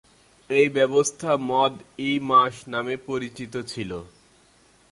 এই ব্যবস্থা মদদ-ই-মাশ নামে পরিচিত ছিল।